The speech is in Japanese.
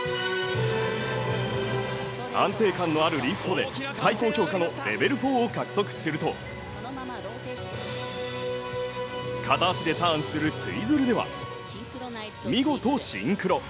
安定感のあるリフトで最高評価のレベル４を獲得すると片足でターンするツイズルでは見事シンクロ。